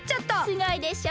すごいでしょ？